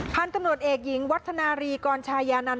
พันธุ์ตำรวจเอกหญิงวัฒนารีกรชายานันต